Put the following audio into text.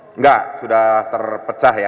tidak sudah terpecah ya